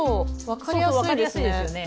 分かりやすいですよね。